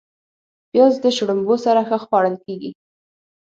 پیاز د شړومبو سره ښه خوړل کېږي